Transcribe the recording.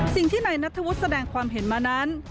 สิ่งที่นายนัทธวุฒิแสดงความเห็นมานั้น